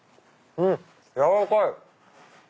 うん軟らかい！